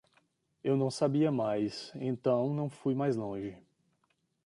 Eu não sabia mais, então não fui mais longe.